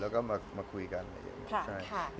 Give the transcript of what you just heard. แล้วเขาก็มาคุยกัน